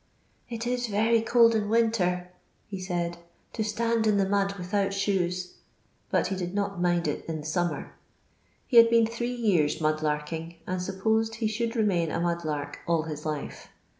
" It is rery cold in winter, he said, "to stand in the mud without shoes," but he did not mind it in summer. He had been three years mud larking, and supposed he should remain a mud lark all his life.